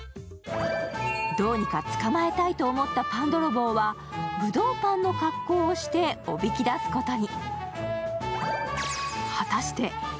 どうにか捕まえたいと思ったパンどろぼうはぶどうパンの格好をしておびき出すことに。